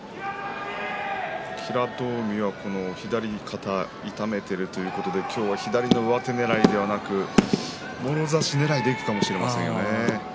平戸海は左肩を痛めているということで今日は左の上手ねらいではなくてもろ差しねらいでいくかもしれませんね。